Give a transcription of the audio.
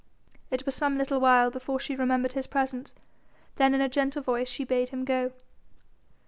It was some little while before she remembered his presence, then in a gentle voice she bade him go.